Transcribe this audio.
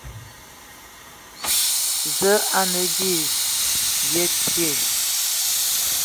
Za a nǝ ai byem bite,